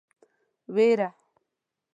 وېره.